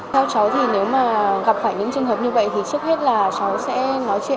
theo cháu thì nếu mà gặp phải những trường hợp như vậy thì trước hết là cháu sẽ nói chuyện với những người khác